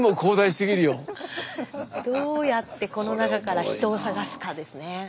スタジオどうやってこの中から人を捜すかですね。